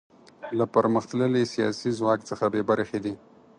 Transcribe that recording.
له پرمختللي سیاسي ځواک څخه بې برخې دي.